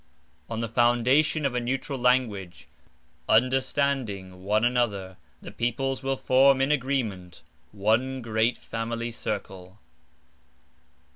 (On the foundation of a neutral language, Understanding one another, The peoples will form in agreement One great family circle).